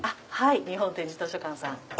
日本点字図書館さん。